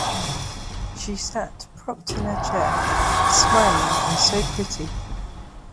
She sat propped in her chair, smiling, and so pretty.